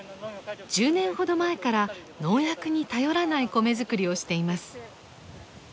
１０年ほど前から農薬に頼らない米作りをしています。